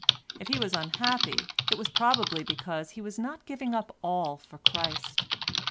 If he was unhappy it was probably because he was not giving up all for Christ.